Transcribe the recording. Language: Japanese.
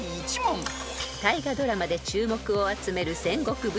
［大河ドラマで注目を集める戦国武将徳川家康］